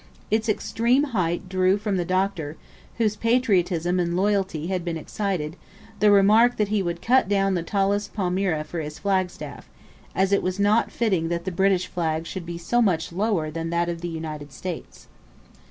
Its extreme height drew from the Doctor whose patriotism and loyalty had been excited the remark that he would cut down the tallest palmyra for his flagstaff, as it was not fitting that the British flag should be so much lower than that of the United States.